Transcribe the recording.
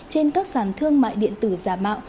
trên các sản thương mại điện tử giả mạo